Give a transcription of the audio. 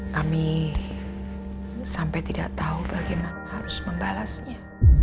kami sampai tidak tahu bagaimana harus membalasnya